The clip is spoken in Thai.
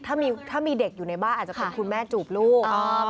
ถ้ามีเด็กอยู่ในบ้านอาจจะเป็นคุณแม่จูบลูก